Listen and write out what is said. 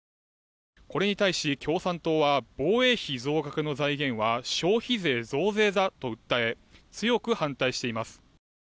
これに対し、共産党は防衛費増額の財源は消費税増税だと訴え強く反対しています。